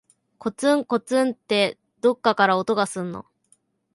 こつんこつんって、どっかから音がすんの。